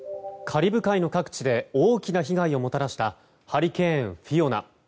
カリブ海の各地で大きな被害をもたらしたハリケーン、フィオナ。